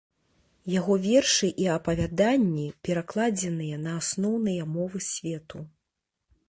Яго вершы і апавяданні перакладзеныя на асноўныя мовы свету.